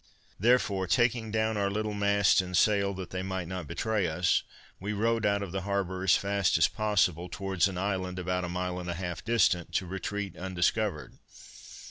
Therefore, taking down our little mast and sail, that they might not betray us, we rowed out of the harbor as fast as possible, towards an island about a mile and a half distant, to retreat undiscovered.